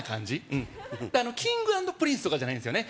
うんＫｉｎｇ＆Ｐｒｉｎｃｅとかじゃないんですよね